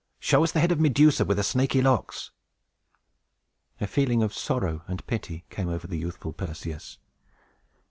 "Show us the head of Medusa with the snaky locks!" A feeling of sorrow and pity came over the youthful Perseus.